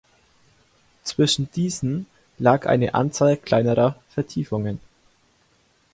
Zwischen diesen lag eine Anzahl kleinerer Vertiefungen.